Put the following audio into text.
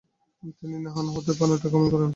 তিনি নাহান, হতে পানোটাতে গমন করেন।